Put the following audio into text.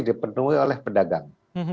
dipenuhi oleh pedagang